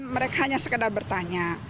mereka hanya sekedar bertanya